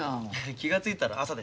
気が付いたら朝でした。